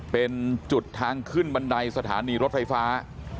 เป็นจุดทางขึ้นบันไดสถานีรถไฟฟ้า